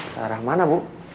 sarah mana bu